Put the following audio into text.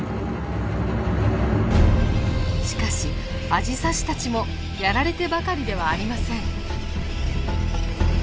しかしアジサシたちもやられてばかりではありません。